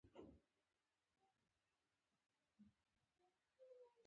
علي ټوله ورځ د غولو تول ته ناست وي.